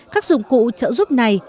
các dụng cụ trợ giúp này